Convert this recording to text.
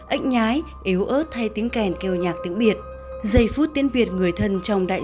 ảnh nhái éo ớt thay tiếng kèn kêu nhạc tiếng biệt dày phút tiếng việt người thân trong đại